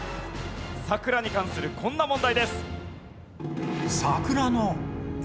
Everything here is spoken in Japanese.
桜に関するこんな問題です。